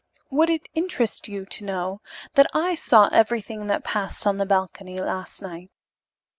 "Would it interest you to know that I saw everything that passed on the balcony last night?